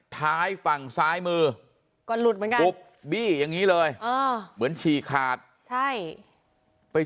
ท้ายฝั่งซ้ายมือก็หลุดบีอย่างนี้เลยเหมือนฉี่ขาดใช่ไป